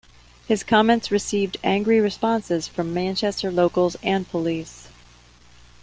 His comments received angry responses from Manchester locals and police.